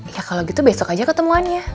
ya kalau gitu besok aja ketemuannya